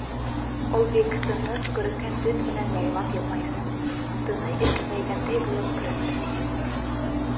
Ул бик тыныс күренгән төҫ менән яйлап йылмайҙы, тыны иркенәйгәндәй булып көрһөндө.